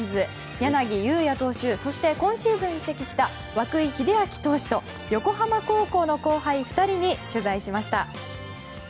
柳井投手そして今シーズン移籍した涌井秀章投手と横浜高校の後輩２人に取材しました。